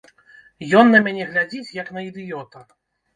Ён на мяне глядзіць, як на ідыёта.